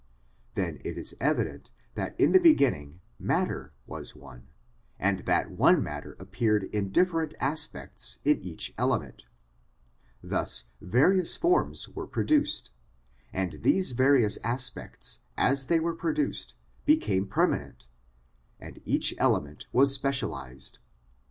Then it is evident that in the beginning matter was one, and that one matter appeared in different aspects in each element ; thus various forms were produced, and these various aspects as they were produced became permanent, and each element was specialised.